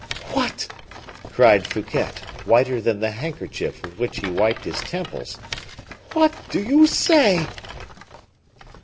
"What!" cried Fouquet, whiter than the handkerchief with which he wiped his temples, "what do you say?"